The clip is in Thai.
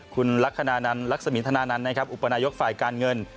คุณลักษมิทธนานั้นนะครับอุปนายกฝ่ายการเงิน